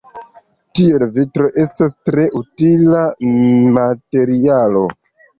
Tiel, vitro estas tre utila materialo.